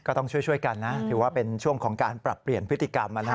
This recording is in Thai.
ก็ต้องช่วยกันนะถือว่าเป็นช่วงของการปรับเปลี่ยนพฤติกรรม